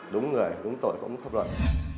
đúng người đúng tội cũng pháp luật